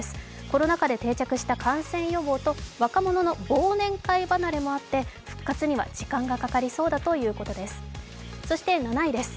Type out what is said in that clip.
コロナ禍で定着した感染予防と、若者の忘年会離れもあって復活には時間がかかりそうだということです。